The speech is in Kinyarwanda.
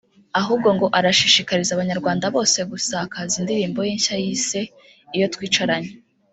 ahubwo ngo arashishikariza Abanyarwanda bose gusakaza indirimbo ye nshya yise ‘Iyo twicaranye’